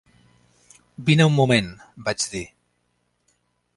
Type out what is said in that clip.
"Vine un moment", vaig dir.